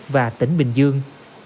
và tỉnh bình dương